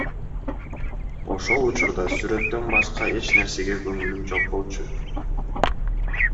Ошол учурда сүрөттөн башка эч нерсеге көңүлүм жок болчу.